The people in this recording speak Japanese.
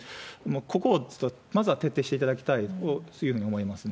ここをまずは徹底していただきたい、そういうふうに思いますね。